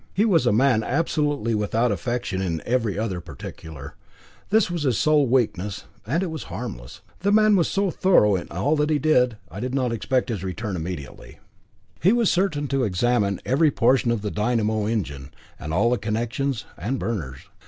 He was a man absolutely without affectation in every other particular; this was his sole weakness, and it was harmless. The man was so thorough in all he did that I did not expect his return immediately. He was certain to examine every portion of the dynamo engine, and all the connections and burners.